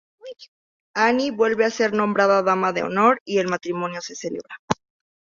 Annie vuelve a ser nombrada dama de honor y el matrimonio se celebra.